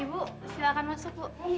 ibu silahkan masuk bu